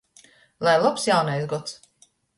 Lai lobs Jaunais gods!